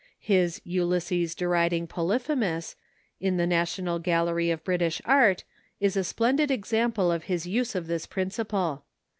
His "Ulysses deriding Polyphemus," in the National Gallery of British Art, is a splendid example of his use of this principle.